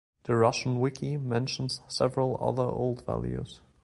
The Russian Wiki mentions several other old values.